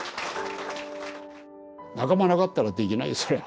仲間なかったらできないよ